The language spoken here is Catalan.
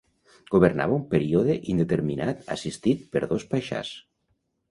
Governava un període indeterminat assistit per dos paixàs.